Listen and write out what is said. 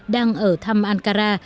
đang ở thăm ankara